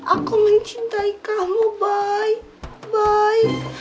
aku mencintai kamu boy